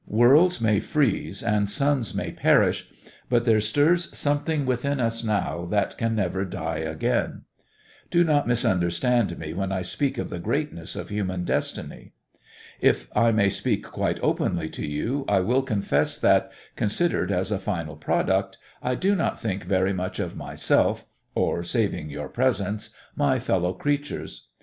Worlds may freeze and suns may perish, but there stirs something within us now that can never die again. Do not misunderstand me when I speak of the greatness of human destiny. If I may speak quite openly to you, I will confess that, considered as a final product, I do not think very much of myself or (saving your presence) my fellow creatures.